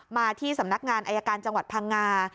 มาที่สำนักงานอายการจังหวัดพังงา